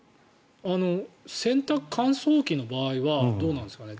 洗濯乾燥機の場合はどうなんですかね。